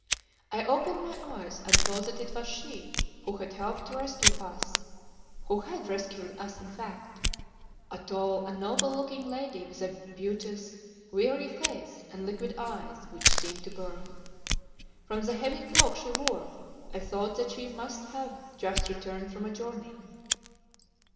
I opened my eyes and saw that it was she who had helped to rescue us, who had rescued us in fact, a tall and noble looking lady with a beauteous, weary face and liquid eyes which seemed to burn. From the heavy cloak she wore I thought that she must have just returned from a journey.